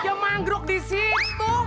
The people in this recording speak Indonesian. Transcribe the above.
dia manggruk disitu